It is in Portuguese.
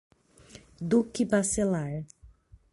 Duque Bacelar